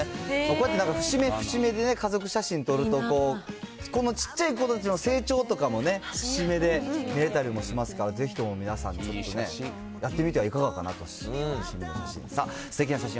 こうやってなんか、節目節目で家族写真撮ると、この小っちゃい子たちの成長とかもね、節目で見れたりとかもしますから、ぜひとも皆さん、ちょっとね、やってみてはいかがかなと、集合写真。